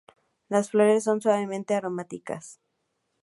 Las flores son suavemente aromáticas.